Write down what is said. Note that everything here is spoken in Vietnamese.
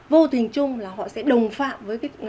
vô tình chung là họ sẽ đồng phạm với